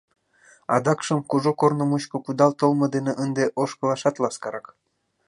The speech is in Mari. Адакшым, кужу корно мучко кудал толмо дене ынде ошкылашат ласкарак.